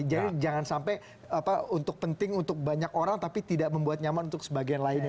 jadi jangan sampai untuk penting untuk banyak orang tapi tidak membuat nyaman untuk sebagian lainnya